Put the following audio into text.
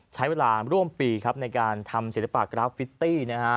ใช้เวลาร่วมปีในการทำศิลปะกราฟิตตี้